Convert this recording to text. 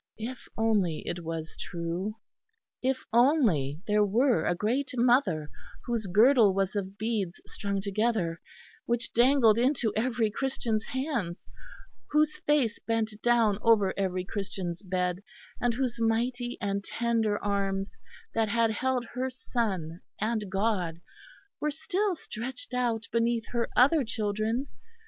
If only it was true! If only there were a great Mother whose girdle was of beads strung together, which dangled into every Christian's hands; whose face bent down over every Christian's bed; and whose mighty and tender arms that had held her Son and God were still stretched out beneath her other children.